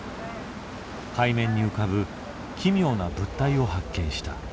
海面に浮かぶ奇妙な物体を発見した。